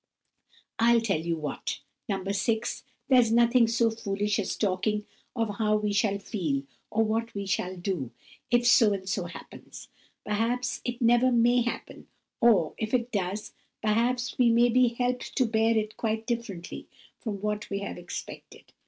"I'll tell you what, No. 6, there's nothing so foolish as talking of how we shall feel, and what we shall do, if so and so happens. Perhaps it never may happen, or, if it does, perhaps we may be helped to bear it quite differently from what we have expected.